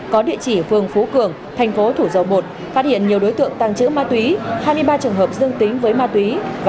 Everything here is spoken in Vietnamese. có địa chỉ phường phú cường thành phố thủ dầu một phát hiện nhiều đối tượng tăng chữ ma túy